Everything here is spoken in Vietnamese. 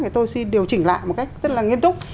thì tôi xin điều chỉnh lại một cách rất là nghiêm túc